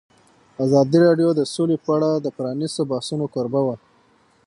ازادي راډیو د سوله په اړه د پرانیستو بحثونو کوربه وه.